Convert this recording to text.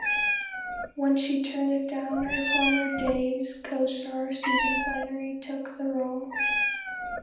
When she turned it down, her former "Days" costar Susan Flannery took the role.